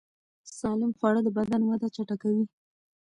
سالم خواړه د بدن وده چټکوي.